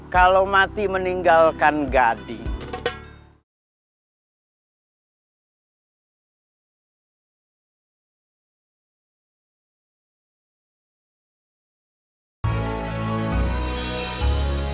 kalau mati meninggalkan gading